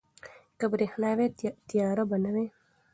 که برښنا وي، تیاره به نه وي.